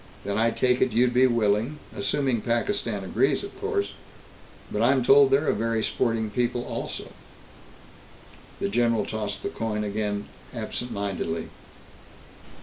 "Then I take it you'd be willing, assuming Pakistan agrees, of course, but I'm told they're a very sporting people, to " The general tossed the coin again, absent mindedly.